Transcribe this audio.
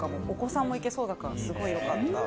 お子さんもいけそうだからすごい良かった。